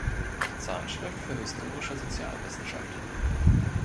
Zeitschrift für Historische Sozialwissenschaft".